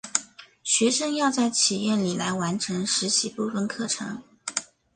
学生要在企业里来完成实习部分课程。